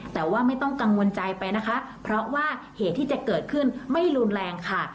แต่ว่าไม่ต้องกังวลใจไปนะคะเพราะว่าเหตุที่จะเกิดขึ้นไม่รุนแรงค่ะ